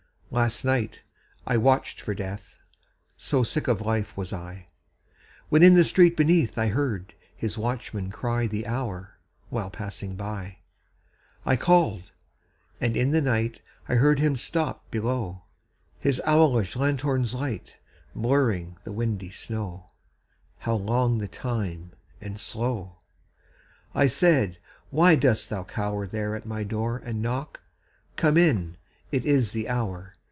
Last night I watched for Death So sick of life was I! When in the street beneath I heard his watchman cry The hour, while passing by. I called. And in the night I heard him stop below, His owlish lanthorn's light Blurring the windy snow How long the time and slow! I said, _Why dost thou cower There at my door and knock? Come in! It is the hour!